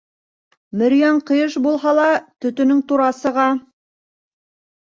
Мөрйәң ҡыйыш буһа ла, төтөнөң тура сыға.